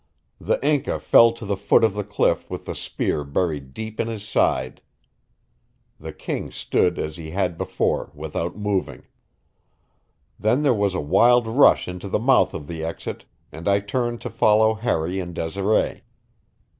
The Inca fell to the foot of the cliff with the spear buried deep in his side. The king stood as he had before, without moving. Then there was a wild rush into the mouth of the exit, and I turned to follow Harry and Desiree.